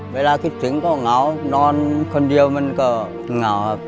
เวลาคิดถึงก็เหงานอนคนเดียวมันก็เหงาครับ